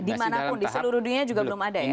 di manapun di seluruh dunia juga belum ada ya